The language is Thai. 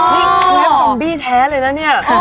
นี่เทปซอมบี้แท้เลยนะเนี่ย